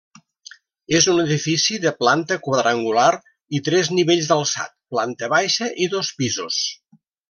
És un edifici de planta quadrangular i tres nivells d'alçat, planta baixa i dos pisos.